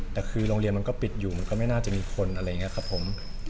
แต่คือโรงเรียนมันก็ปิดอยู่มันก็ไม่น่าจะมีคนอะไรอย่างนี้ครับผม